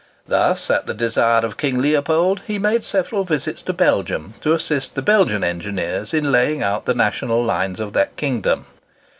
Thus, at the desire of King Leopold, he made several visits to Belgium to assist the Belgian engineers in laying out the national lines of that kingdom.